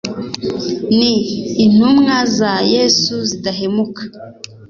ni intumwa za Yesu z’indahemuka